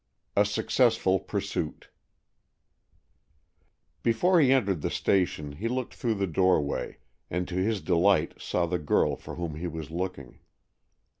XXI A SUCCESSFUL PURSUIT Before he entered the station he looked through the doorway, and to his delight saw the girl for whom he was looking.